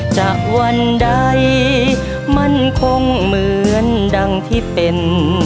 จากวันใดมันคงเหมือนดังที่เป็น